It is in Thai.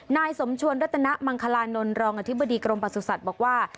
นายสมชวนรัตนมังคลานนทรองอธิบดีกรมประสุทธิ์บอกว่า